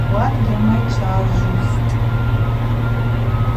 Ауат гьамайчважвузтӏ.